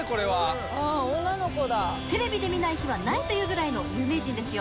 テレビで見ない日はないというぐらいの有名人ですよ。